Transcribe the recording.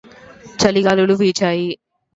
చలిగాలులు వీచాయి